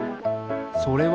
それは？